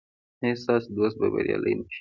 ایا ستاسو دوست به بریالی نه شي؟